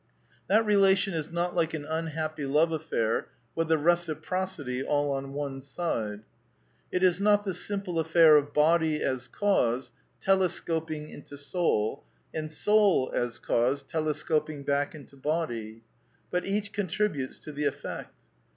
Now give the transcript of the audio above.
That relation is not like an unhappy love affair with the " reciprocity all on one side." It is not the simple affair of body as cause, telescoping into soul, and soul, as cause, telescoping back into body; but each contributes to the effect.